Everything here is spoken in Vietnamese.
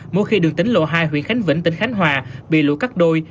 mỗi khi đường tính lộ hai huyện khánh vĩnh tỉnh khánh hòa bị lũ cắt đôi